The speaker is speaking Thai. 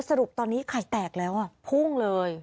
สรุปตอนนี้ไข่แตกแล้วพุ่งเลย